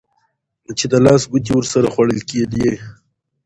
چې د لاس ګوتې ورسره خوړل کېدې.